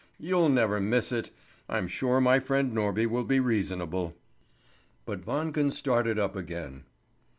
You'll never miss it!' I'm sure my friend Norby will be reasonable." But Wangen started up again.